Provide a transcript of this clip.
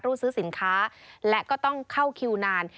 ซื้อสินค้าและก็ต้องเข้าคิวนาน